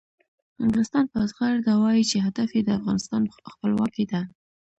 انګلستان په زغرده وایي چې هدف یې د افغانستان خپلواکي ده.